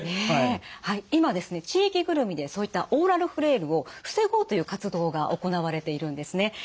はい今ですね地域ぐるみでそういったオーラルフレイルを防ごうという活動が行われているんですね。